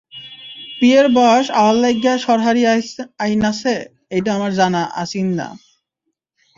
বিয়ের বয়স অওয়ার লাইগ্যা সরহারি আইন আছে, এইডা আমার জানা আছিইন না।